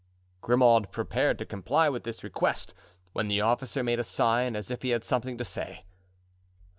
Grimaud prepared to comply with this request, when the officer made a sign as if he had something to say.